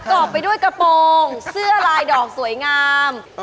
รอบไปด้วยกระโปรงเสื้อลายดอกสวยงาม